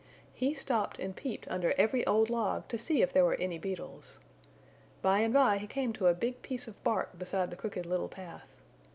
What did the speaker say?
He stopped and peeped under every old log to see if there were any beetles. By and by he came to a big piece of bark beside the Crooked Little Path.